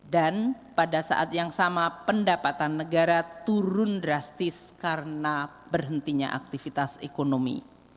dan pada saat yang sama pendapatan negara turun drastis karena berhentinya aktivitas ekonomi